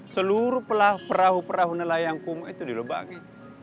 seluruh perahu perahu nalayangkumo itu dilubangi